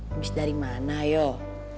habis dari mana yoh